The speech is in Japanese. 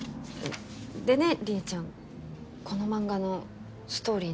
でねりえちゃんこの漫画のストーリーなんだけど。